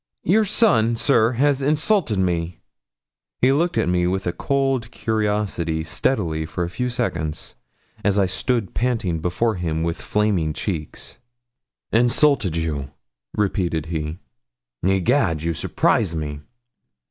'Your son, sir, has insulted me.' He looked at me with a cold curiosity steadly for a few seconds, as I stood panting before him with flaming cheeks. 'Insulted you?' repeated he. 'Egad, you surprise me!'